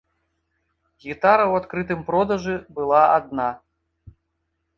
Гітара ў адкрытым продажы была адна.